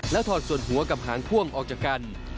ถอดส่วนหัวกับหางพ่วงออกจากกัน